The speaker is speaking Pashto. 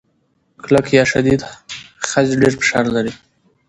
کلک یا شدید خج ډېر فشار لري.